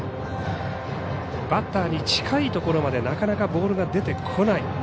バッターに近いところまでなかなかボールが出てこない。